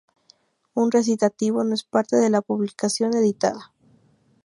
Un recitativo no es parte de la publicación editada.